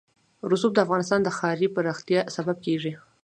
رسوب د افغانستان د ښاري پراختیا سبب کېږي.